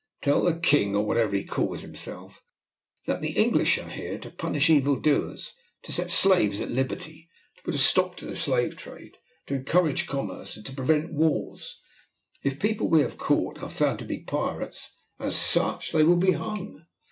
Tell the king, or whatever he calls himself, that the English are here to punish evil doers, to set slaves at liberty, to put a stop to the slave trade, to encourage commerce, and to prevent wars. If the people we have caught are found to be pirates, as such they will be hung.